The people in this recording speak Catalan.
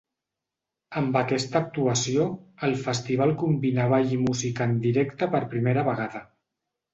Amb aquesta actuació, el festival combina ball i música en directe per primera vegada.